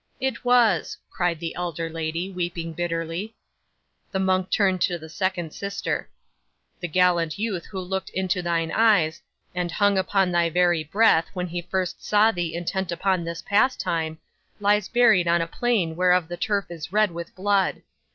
'"It was," cried the elder lady, weeping bitterly. 'The monk turned to the second sister. '"The gallant youth who looked into thine eyes, and hung upon thy very breath when first he saw thee intent upon this pastime, lies buried on a plain whereof the turf is red with blood.